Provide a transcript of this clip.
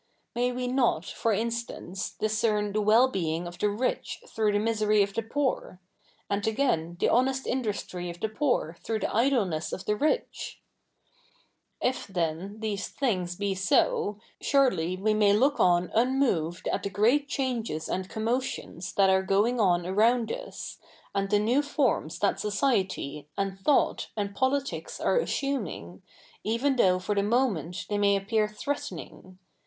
May we 7iot, for insta?ice, discern the zuell being of the rich through the misery of tlie poor 1 and again, the honest industry of the poor th7'ough the idleness of the rich ?' If, then, these things be so, surely we may look on un moved at the great changes and commotions that are going on around us, a?id tJie 7iew forms that society, and thought, and politics are assunmig, even although for the moment they may appear threateni?ig.